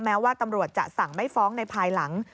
แม้ว่าตำรวจจะสั่งไม่ฟ้องในภายหลัง